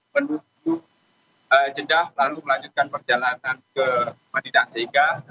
menuju jeddah lalu melanjutkan perjalanan ke madinah